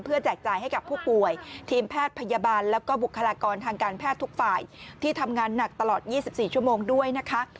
แจกจ่ายให้กับผู้ป่วยทีมแพทย์พยาบาลแล้วก็บุคลากรทางการแพทย์ทุกฝ่ายที่ทำงานหนักตลอด๒๔ชั่วโมงด้วยนะคะ